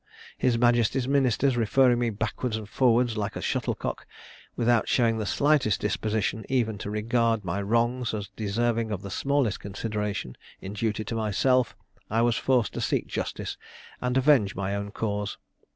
His majesty's ministers, referring me backwards and forwards like a shuttlecock, without showing the slightest disposition even to regard my wrongs as deserving of the smallest consideration, in duty to myself, I was forced to seek justice, and avenge my own cause.